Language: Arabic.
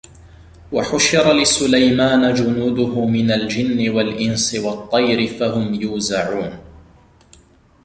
وَحُشِرَ لِسُلَيمانَ جُنودُهُ مِنَ الجِنِّ وَالإِنسِ وَالطَّيرِ فَهُم يوزَعونَ